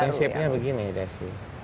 prinsipnya begini desi